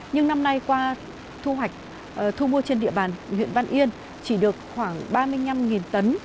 nhưng năm nay qua thu mua trên địa bàn huyện văn yên chỉ được khoảng ba mươi năm tấn